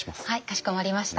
かしこまりました。